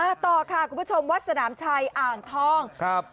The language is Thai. ต่อค่ะคุณผู้ชมวัดสนามชัยอ่างทองครับ